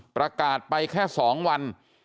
ประกาศไปแค่๒วัน